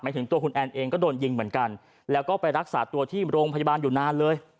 ถึงตัวคุณแอนเองก็โดนยิงเหมือนกันแล้วก็ไปรักษาตัวที่โรงพยาบาลอยู่นานเลย